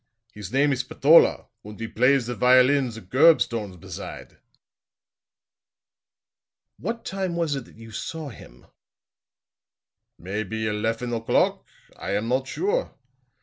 His name is Spatola, und he plays the violin the gurb stones beside." "What time was it that you saw him?" "Maybe elefen o'clock. I am not sure.